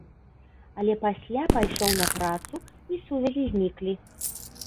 Але пасля пайшоў на працу, і сувязі зніклі.